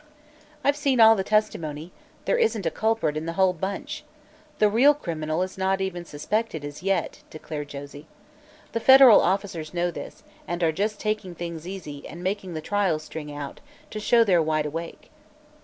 "I've seen all the testimony. There isn't a culprit in the whole bunch. The real criminal is not even suspected, as yet," declared Josie. "The federal officers know this, and are just taking things easy and making the trials string out, to show they're wide awake.